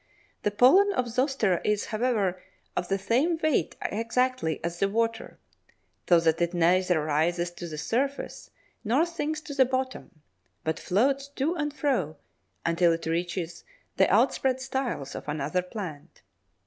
The pollen of Zostera is, however, of the same weight exactly as the water, so that it neither rises to the surface nor sinks to the bottom, but floats to and fro until it reaches the outspread styles of another plant.